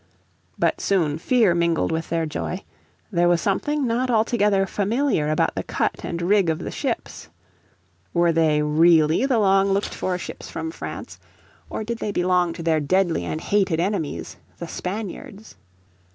But soon fear mingled with their joy. There was something not altogether familiar about the cut and rig of the ships. Were they really the long looked for ships from France, or did they belong to their deadly and hated enemies, the Spaniards?